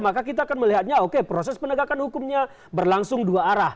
maka kita akan melihatnya oke proses penegakan hukumnya berlangsung dua arah